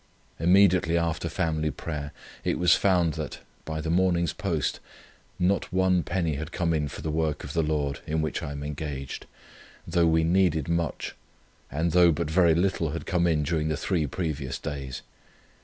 Immediately after family prayer it was found, that by the morning's post not one penny had come in for the work of the Lord in which I am engaged, though we needed much, and though but very little had come in during the three previous days.